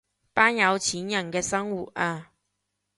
班有錢人嘅生活啊